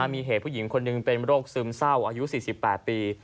มีเหตุผู้หญิงคนหนึ่งเป็นโรคซึมเศร้าอายุ๔๘ปี